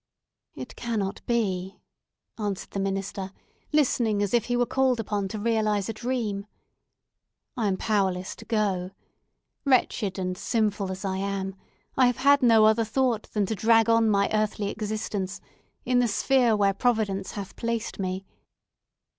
"It cannot be!" answered the minister, listening as if he were called upon to realise a dream. "I am powerless to go. Wretched and sinful as I am, I have had no other thought than to drag on my earthly existence in the sphere where Providence hath placed me.